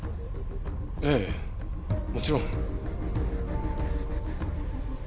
ええもちろん。